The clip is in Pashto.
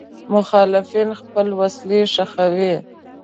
مخالفین خپل وسلې ښخوي.